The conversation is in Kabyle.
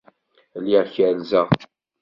Lliɣ kerrzeɣ.